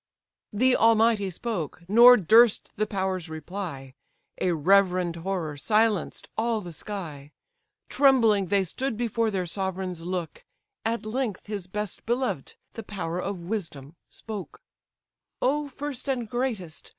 The all mighty spoke, nor durst the powers reply: A reverend horror silenced all the sky; Trembling they stood before their sovereign's look; At length his best beloved, the power of wisdom, spoke: "O first and greatest!